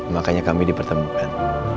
makanya kami dipertemukan